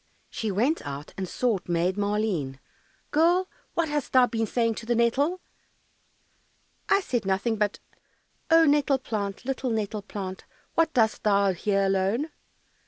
She went out and sought Maid Maleen. "Girl, what hast thou been saying to the nettle?" "I said nothing but, "Oh, nettle plant, Little nettle plant, What dost thou here alone?